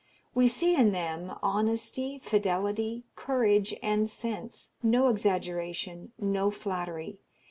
We see in them honesty, fidelity, courage, and sense no exaggeration no flattery.